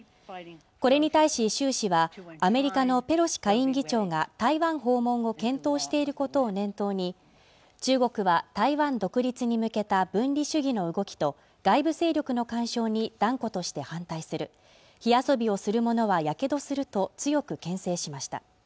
これに対し習氏はアメリカのペロシ下院議長が台湾訪問を検討していることを念頭に中国は台湾独立に向けた分離主義の動きと外部勢力の干渉に断固として反対する火遊びをする者はやけどすると強くけん制しました